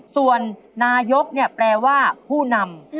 ส่วนนายกเนี่ยแปลว่าผู้นำ